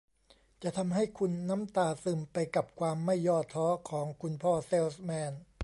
จะทำให้คุณน้ำตาซึมไปกับความไม่ย่อท้อของคุณพ่อเซลส์แมน